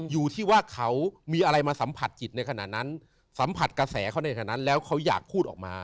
อยู่ที่ว่าเขามีอะไรมาสัมผัสจิตในขณะนั้นสัมผัสกระแสเขาในขณะนั้นแล้วเขาอยากพูดออกมา